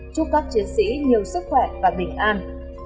chúc các chiến sĩ nhiều sức khỏe và bình an